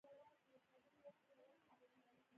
غیرت د پښتانه ځانګړنه ده